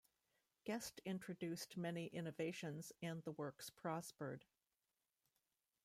Guest introduced many innovations and the works prospered.